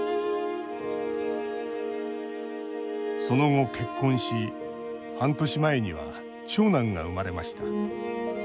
その後、結婚し半年前には長男が生まれました。